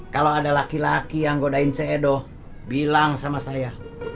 kalau ada laki laki yang godain cedo bilang sama saya